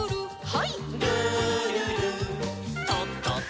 はい。